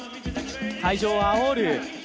会場をあおる！